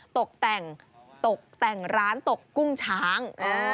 ตกแต่งร้านตกกุ้งช้าง